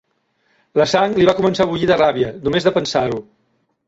La sang li va començar a bullir de ràbia només de pensar-ho.